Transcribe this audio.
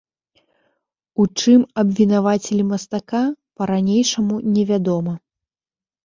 У чым абвінавацілі мастака, па-ранейшаму невядома.